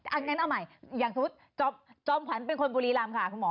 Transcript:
อันนั้นเอาใหม่อย่างสมมุติจอมขวัญเป็นคนบุรีรำค่ะคุณหมอ